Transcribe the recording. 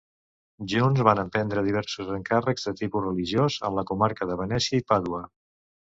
Junts van emprendre diversos encàrrecs de tipus religiós en la comarca de Venècia i Pàdua.